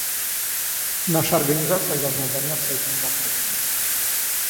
Наша Организация должна заняться этими вопросами.